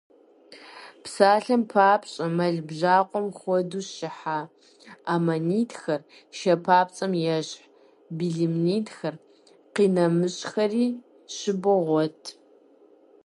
Псалъэм папщӀэ, мэл бжьакъуэм хуэдэу шыхьа аммонитхэр, шэ папцӀэм ещхь белемнитхэр, къинэмыщӀхэри щыбогъуэт.